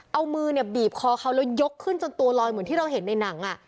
เอามือเนี่ยบีบคอเขาแล้วยกขึ้นจนตัวลอยเหมือนที่เราเห็นในหนัง